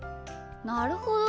なるほど。